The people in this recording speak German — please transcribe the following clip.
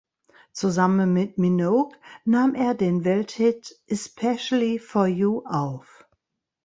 Zusammen mit Minogue nahm er den Welthit "Especially for You" auf.